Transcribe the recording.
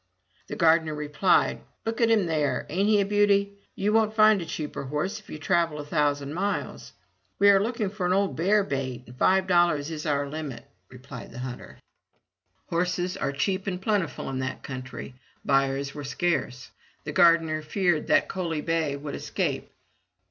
The gardener replied: "Look at him there, ain't he a beauty? You won't find a cheaper horse if you travel a thousand miles. "We are looking for an old bear bait, and five dollars is our limit," replied the hunter. 221 MY BOOK HOUSE Horses are cheap and plentiful in that country; buyers were scarce. The gardener feared that Coaly bay would escape.